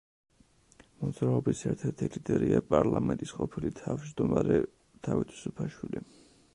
მოძრაობის ერთ-ერთი ლიდერია პარლამენტის ყოფილი თავმჯდომარე დავით უსუფაშვილი.